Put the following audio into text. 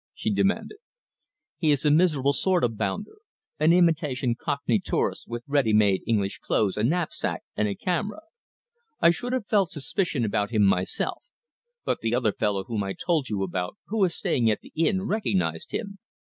she demanded. "He is a miserable sort of bounder an imitation cockney tourist, with ready made English clothes, a knapsack, and a camera. I should have felt suspicious about him myself, but the other fellow whom I told you about, who is staying at the inn, recognized him.